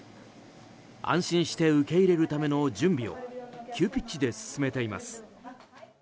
安心して受け入れるための準備を急ピッチで進めています。